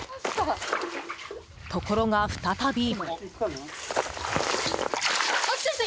ところが再び。